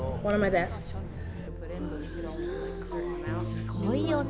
すごいよね！